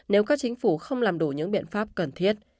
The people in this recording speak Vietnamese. nếu các chính phủ không làm đủ những biện pháp cần thiết